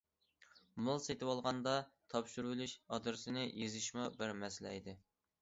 مال سېتىۋالغاندا تاپشۇرۇۋېلىش ئادرېسىنى يېزىشمۇ بىر مەسىلە ئىدى.